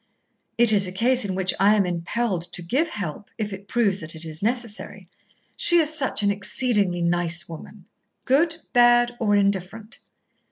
"It is a case in which I am impelled to give help, if it proves that it is necessary. She is such an exceedingly nice woman." "Good, bad, or indifferent?"